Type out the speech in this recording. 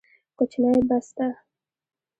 کوچنۍ بسته